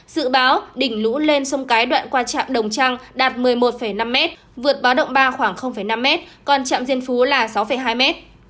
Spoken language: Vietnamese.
dự báo đỉnh lũ lên sông cái đoạn qua trạm đồng trang đạt một mươi một năm m vượt báo động ba khoảng năm mét còn trạm diên phú là sáu hai m